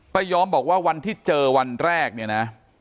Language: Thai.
ยอมบอกว่าวันที่เจอวันแรกเนี่ยนะ